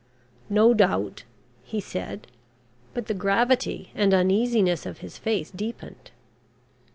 "No doubt," he said. But the gravity and uneasiness of his face deepened.